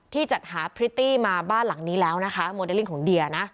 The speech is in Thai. จัดหาพริตตี้มาบ้านหลังนี้แล้วนะคะโมเดลลิ่งของเดียนะ